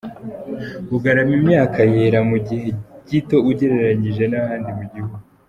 Bugarama Imyaka yera mu gihe gito ugereranyije n’ahandi mu gihugu